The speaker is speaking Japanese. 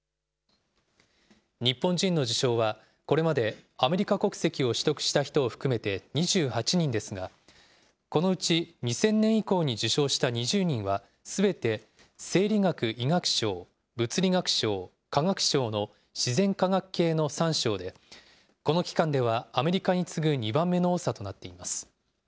日本人の受賞は、これまでアメリカ国籍を取得した人を含めて２８人ですが、このうち２０００年以降に受賞した２０人はすべて生理学・医学賞、物理学賞、化学賞の自然科学系の３賞で、この期間ではアメリカに次ぐ２番目の多さとなっています。